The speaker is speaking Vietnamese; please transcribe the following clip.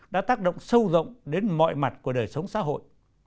đã tác động sâu rộng đến mọi mặt của đời sống xã hội